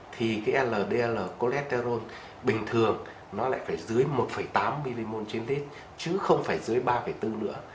thì cái ldl cóleter bình thường nó lại phải dưới một tám mmol trên lít chứ không phải dưới ba bốn nữa